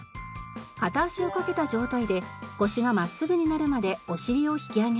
片足をかけた状態で腰が真っすぐになるまでお尻を引き上げます。